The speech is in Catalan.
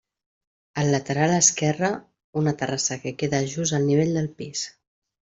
Al lateral esquerre, una terrassa que queda just al nivell del pis.